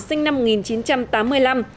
sinh năm một nghìn chín trăm tám mươi năm